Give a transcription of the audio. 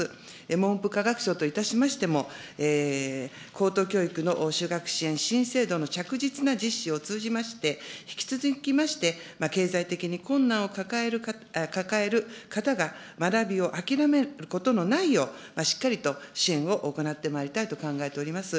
文部科学省といたしましても、高等教育の就学支援新制度の着実な実施を通じまして、引き続きまして経済的に困難を抱える方が学びを諦めることのないよう、しっかりと支援を行ってまいりたいと考えております。